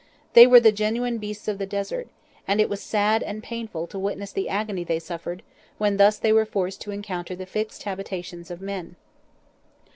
They were the genuine beasts of the Desert, and it was sad and painful to witness the agony they suffered when thus they were forced to encounter the fixed habitations of men.